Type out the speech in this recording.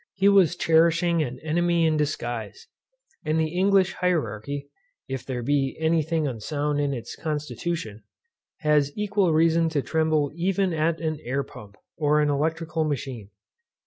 He was cherishing an enemy in disguise. And the English hierarchy (if there be any thing unsound in its constitution) has equal reason to tremble even at an air pump, or an electrical machine.